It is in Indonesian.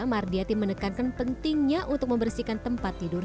mardiati menekankan pentingnya untuk membersihkan tempat tidur